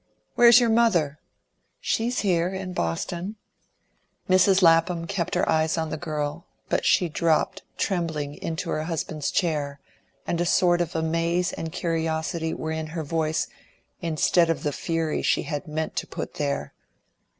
"Where's your mother?" "She's here in Boston." Mrs. Lapham kept her eyes on the girl, but she dropped, trembling, into her husband's chair, and a sort of amaze and curiosity were in her voice instead of the fury she had meant to put there.